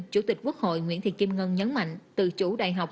chủ tịch quốc hội nguyễn thị kim ngân nhấn mạnh tự chủ đại học